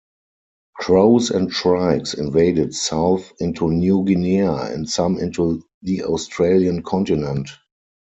Crows and shrikes invaded south into New Guinea and some into the Australian continent.